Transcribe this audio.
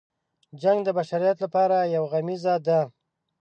جنګ د بشریت لپاره یو غمیزه ده.